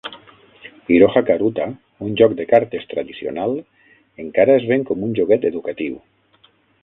"Iroha karuta", un joc de cartes tradicional, encara es ven com un joguet educatiu.